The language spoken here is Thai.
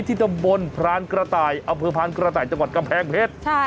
ตำบลพรานกระต่ายอำเภอพรานกระต่ายจังหวัดกำแพงเพชร